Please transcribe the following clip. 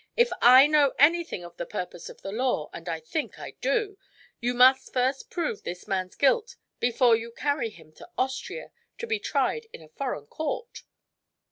If I know anything of the purpose of the law, and I think I do, you must first prove this man's guilt before you carry him to Austria to be tried by a foreign court."